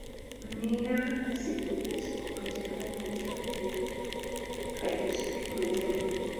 Miyaa siku hizi kupachikana ni tabu ndiyo hachusuki majambi